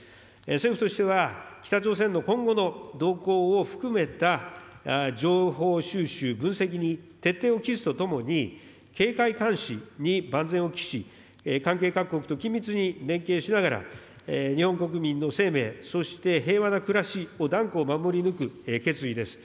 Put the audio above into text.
政府としては、北朝鮮の今後の動向を含めた情報収集、分析に徹底を期すとともに、警戒監視に万全を期し、関係各国と緊密に連携しながら、日本国民の生命、そして平和な暮らしを断固守り抜く決意です。